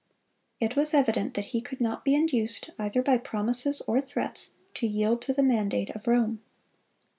It was evident that he could not be induced, either by promises or threats, to yield to the mandate of Rome.